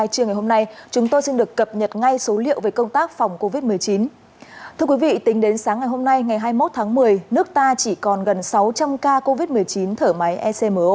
chào mừng quý vị đến với bản tin một trăm một mươi ba online